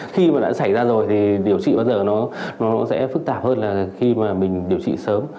khi mà đã xảy ra rồi thì điều trị bao giờ nó sẽ phức tạp hơn là khi mà mình điều trị sớm